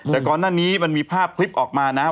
แต่ก่อนหน้านี้มันมีภาพคลิปออกมานะครับ